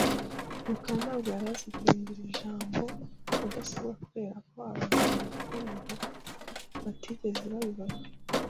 rukara ntabwo yari azi guhindura ijambo "mudasobwa" kubera ko abantu yavuganaga batigeze babibona .